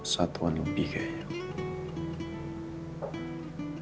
satuan lebih kayaknya